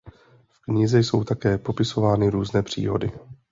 V knize jsou také popisovány různé příhody.